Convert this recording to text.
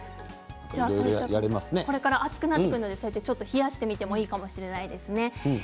これから暑くなってきますから冷やしてみてもいいかもしれませんね。